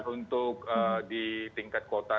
untuk di tingkat kota